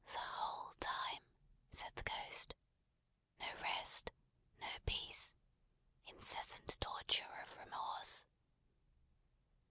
"The whole time," said the Ghost. "No rest, no peace. Incessant torture of remorse."